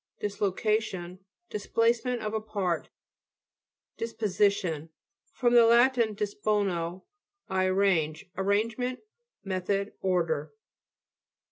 DISLOCATION Displacement of a part. DISPOSITION fr. lat dispono, I arrange. Arrangement, method, order.